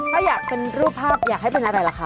ถ้าอยากเป็นรูปภาพอยากให้เป็นอะไรล่ะคะ